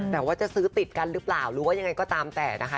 แต่ว่าจะซื้อติดกันหรือเปล่าหรือว่ายังไงก็ตามแต่นะคะ